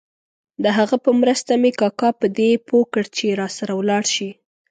د هغه په مرسته مې کاکا په دې پوه کړ چې راسره ولاړ شي.